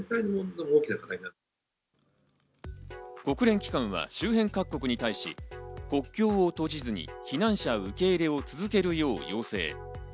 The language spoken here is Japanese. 国連機関は周辺各国に対し、国境を閉じずに避難者受け入れを続けるよう要請。